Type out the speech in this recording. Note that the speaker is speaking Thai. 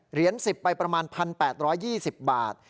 เหรียญ๑๐ไปประมาณ๑๘๒๐บาท